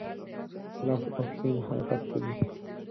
لاس او پښې مې حرکت ته دي.